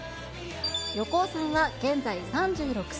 横尾さんは現在３６歳。